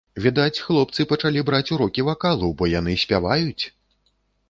Відаць, хлопцы пачалі браць урокі вакалу, бо яны спяваюць!